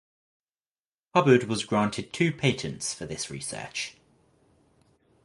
Hubbard was granted two patents for this research.